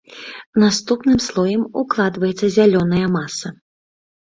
Наступным слоем укладваецца зялёная маса.